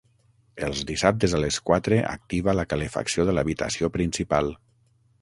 Els dissabtes a les quatre activa la calefacció de l'habitació principal.